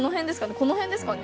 この辺ですかね？